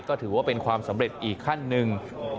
ก็ถือว่าเป็นความสำเร็จอีกขั้นหนึ่ง